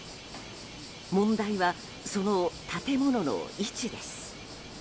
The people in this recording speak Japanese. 問題は、その建物の位置です。